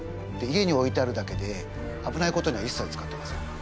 家に置いてあるだけであぶないことにはいっさい使ってません。